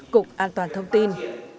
cục an toàn thông tin